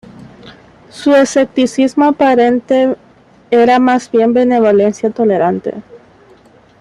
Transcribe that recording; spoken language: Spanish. Su escepticismo aparente era más bien benevolencia tolerante.